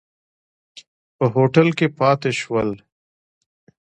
په هوټل کې پاتې شول.